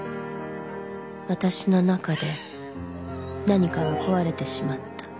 私の中で何かが壊れてしまった。